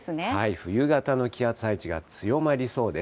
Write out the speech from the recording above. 冬型の気圧配置が強まりそうです。